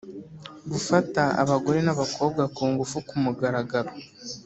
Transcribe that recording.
gufata abagore n'abakobwa ku ngufu ku mugaragaro;